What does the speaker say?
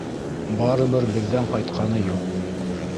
Барыбер беҙҙән ҡайтҡаны юҡ.